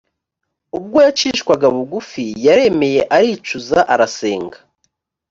ubwo yacishwaga bugufi, yaremeye aricuza, arasenga.